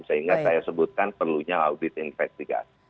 sehingga saya sebutkan perlunya audit investigasi